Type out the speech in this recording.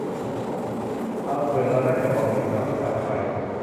เอาเถอะ เราน่าจะบอกหน่อยก่อนที่เราจะไป